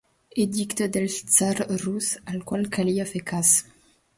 Edicte del tsar rus al qual calia fer cas.